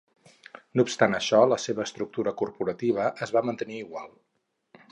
No obstant això, la seva estructura corporativa es va mantenir igual.